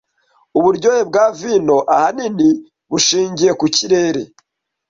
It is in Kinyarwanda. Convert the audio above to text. Uburyohe bwa vino ahanini bushingiye ku kirere.